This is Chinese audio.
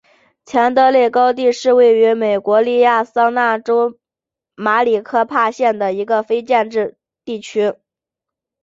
钱德勒高地是位于美国亚利桑那州马里科帕县的一个非建制地区。